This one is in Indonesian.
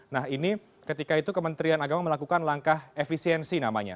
nah ini ketika itu kementerian agama melakukan langkah efisiensi namanya